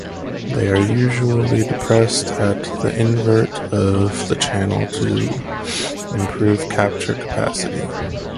They are usually depressed at the invert of the channel to improve capture capacity.